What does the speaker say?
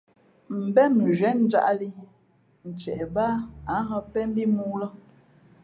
̀mbén mʉnzhwē njāʼlī ntie bāā ǎ hᾱ pēn mbí mōō lά.